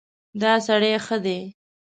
دا سړی ښه دی.